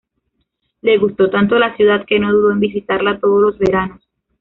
Le gustó tanto la ciudad que no dudó en visitarla todos los veranos.